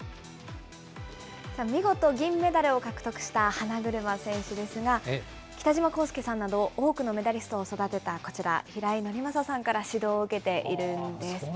見事、銀メダルを獲得した花車選手ですが、北島康介さんなど、多くのメダリストを育てたこちら、平井伯昌さんから指導を受けているんです。